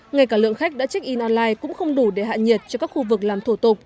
ngay cả lượng khách đã check in online cũng không đủ để hạ nhiệt cho các khu vực làm thủ tục